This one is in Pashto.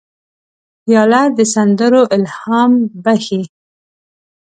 پیاله د سندرو الهام بخښي.